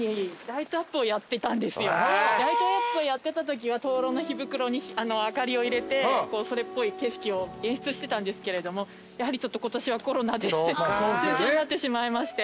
ライトアップをやってたときは灯籠の火袋に明かりを入れてそれっぽい景色を演出してたんですけれどもやはりちょっと今年はコロナで中止になってしまいまして。